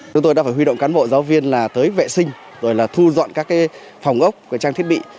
chúng tôi đã phải huy động cán bộ giáo viên là tới vệ sinh rồi là thu dọn các phòng ốc trang thiết bị